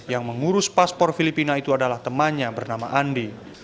yang mengurus paspor filipina itu adalah temannya bernama andi